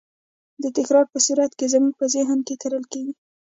د تکرار په صورت کې زموږ په ذهن کې کرل کېږي.